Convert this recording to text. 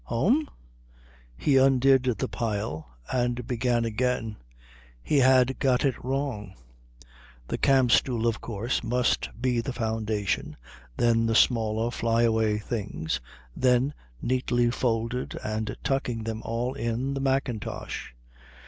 "Home?" He undid the pile and began again. He had got it wrong. The camp stool, of course, must be the foundation, then the smaller fly away things, then, neatly folded and tucking them all in, the mackintosh.